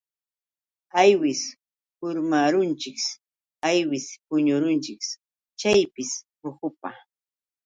Aywis urmarunchik aywis puñurunchik chayshi urqupa.